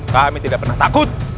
kami tidak pernah takut